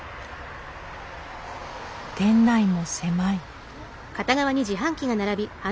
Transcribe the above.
店内も狭い。